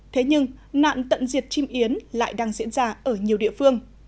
thế nhưng nạn tận diệt chim yến lại đang diễn ra ở nhiều địa phương